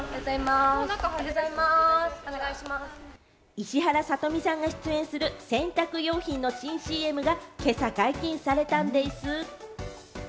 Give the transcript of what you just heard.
石原さとみさんが出演する洗濯用品の新ＣＭが今朝、解禁されたんでぃす。